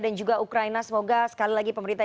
dan juga ukraina semoga sekali lagi pemerintah